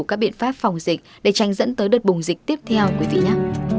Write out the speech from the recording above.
các biện pháp phòng dịch để tranh dẫn tới đợt bùng dịch tiếp theo